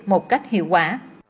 một cách hiệu quả